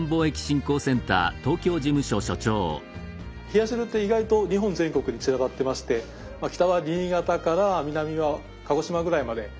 冷や汁って意外と日本全国に散らばってまして北は新潟から南は鹿児島ぐらいまで。